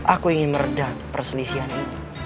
aku ingin meredam perselisihan ini